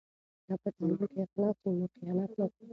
که په تعلیم کې اخلاص وي نو خیانت ورکېږي.